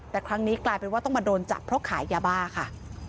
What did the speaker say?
แต่ครั้งนี้กลายเป็นว่าต้องมาโดนจับเพราะขายยาบ้าค่ะ